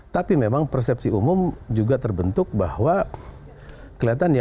tapi memang persepsi umum juga terbentuk bahwa kelihatannya